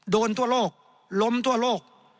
โดนตัวโลกล้มตัวโลก